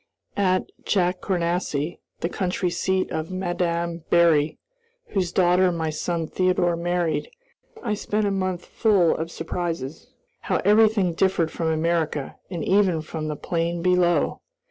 At Jacournassy, the country seat of Mme. Berry, whose daughter my son Theodore married, I spent a month full of surprises. How everything differed from America, and even from the plain below!